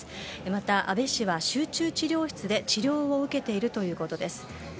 また、安倍氏は集中治療室で治療を受けているということです。